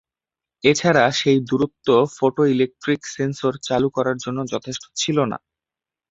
এছাড়া, সেই দূরত্ব ফটোইলেকট্রিক সেন্সর চালু করার জন্য যথেষ্ট ছিল না।